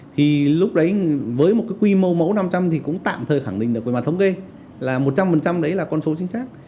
thì lúc đấy với một cái quy mô mẫu năm trăm linh thì cũng tạm thời khẳng định được về mặt thống kê là một trăm linh đấy là con số chính xác